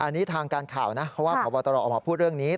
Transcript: อันนี้ทางการข่าวนะเพราะว่าพบตรออกมาพูดเรื่องนี้